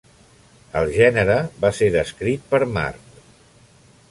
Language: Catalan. El gènere va ser descrit per Mart.